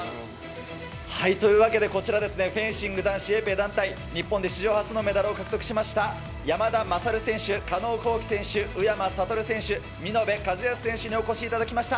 というわけで、こちらフェンシング男子エペ団体、日本で史上初のメダルを獲得しました、山田優選手、加納虹輝選手、宇山賢選手、見延和靖選手にお越しいただきました。